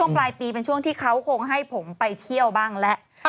ปลายปีเป็นช่วงที่เขาคงให้ผมไปเที่ยวบ้างแล้ว